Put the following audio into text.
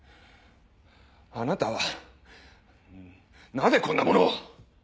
あなたはなぜこんなものを！